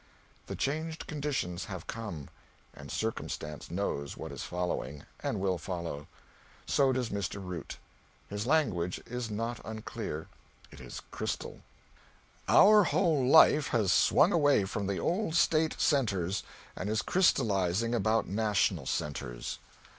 The changed conditions have come, and Circumstance knows what is following, and will follow. So does Mr. Root. His language is not unclear, it is crystal: "Our whole life has swung away from the old State centres, and is crystallizing about national centres."